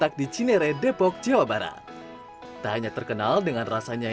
hai ini dia kebuli gaza hai ini dia kebuli gaza